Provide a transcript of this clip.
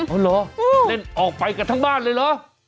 เอาเหรอเล่นออกไปกันทั้งบ้านเลยเหรอ